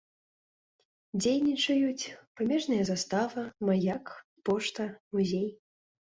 Дзейнічаюць памежная застава, маяк, пошта, музей.